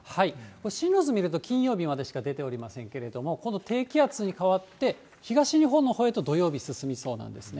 進路図見ると、金曜日までしか出ておりませんけれども、今度、低気圧に変わって、東日本のほうへと土曜日進みそうなんですね。